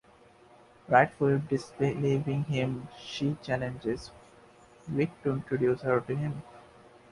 Rightfully disbelieving him, she challenges Vic to introduce her to him.